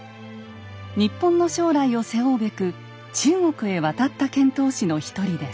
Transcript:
日本の将来を背負うべく中国へ渡った遣唐使の一人です。